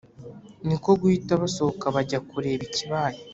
niko guhita basohoka bajya kureba ikibaye,